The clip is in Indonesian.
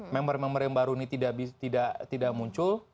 member member yang baru ini tidak muncul